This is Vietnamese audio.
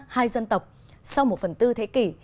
hai dân tộc sau một phần tư thế kỷ